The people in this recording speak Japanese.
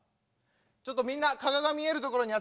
ちょっとみんな加賀が見えるところに集まれ。